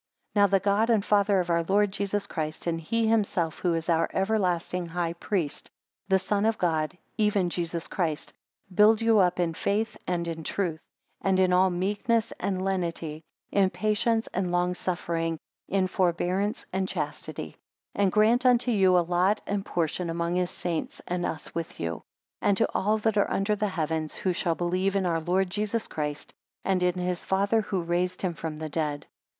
10 Now the God and Father of our Lord Jesus Christ, and he himself who is our everlasting high priest, the Son of God, even Jesus Christ, build you up in faith and in truth, and in all meekness and lenity; in patience and long suffering, in forbearance and chastity: 11 And grant unto you a lot and portion among his saints, and us with you; and to all that are under the heavens, who shall believe in our Lord Jesus Christ, and in his Father who raised him from the dead.